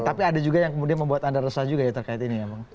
tapi ada juga yang kemudian membuat anda resah juga ya terkait ini ya bang